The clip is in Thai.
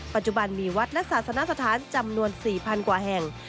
ปัจจุบันมีวัดและศาสนสถานจำนวน๔๐๐กว่าแห่ง